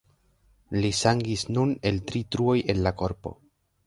Li sangis nun el tri truoj el la korpo.